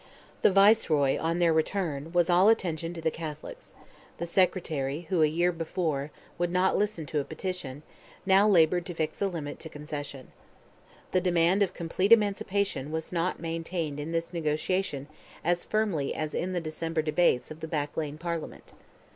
The Viceroy, on their return, was all attention to the Catholics; the Secretary, who, a year before, would not listen to a petition, now laboured to fix a limit to concession. The demand of complete emancipation, was not maintained in this negotiation as firmly as in the December debates of "the Back Lane Parliament."